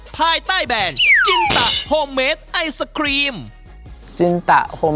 ภายใต้แบรนด์จินตาโฮเมตไอซคลีม